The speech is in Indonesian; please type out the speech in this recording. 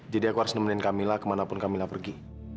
jadi aku harus nemenin kamila kemanapun kamila pergi